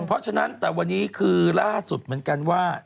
เพราะฉะนั้นแต่วันนี้คือล่าสุดเหมือนกันว่า